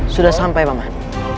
sudah sampai pak man